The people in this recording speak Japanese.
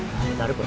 これ。